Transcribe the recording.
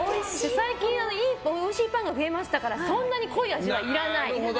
最近、おいしいパンが増えましたからそんなに濃い味はいらない。